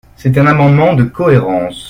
C’est un amendement de cohérence.